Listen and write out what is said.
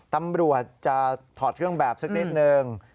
ตำรวจจะถอดเครื่องแบบสักนิดนึง